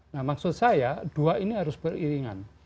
nah maksud saya dua ini harus beriringan